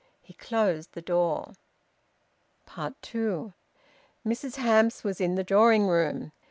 He closed the door. TWO. Mrs Hamps was in the drawing room.